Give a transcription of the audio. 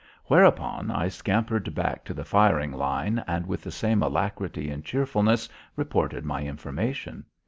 Whereupon I scampered back to the firing line and with the same alacrity and cheerfulness reported my information.